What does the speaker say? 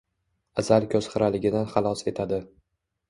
Asal ko‘z xiraligidan xalos etadi.